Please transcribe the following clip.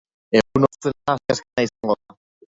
Egun hotzena asteazkena izango da.